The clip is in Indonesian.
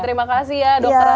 terima kasih ya dokter